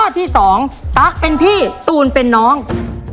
แล้ววันนี้ผมมีสิ่งหนึ่งนะครับเป็นตัวแทนกำลังใจจากผมเล็กน้อยครับ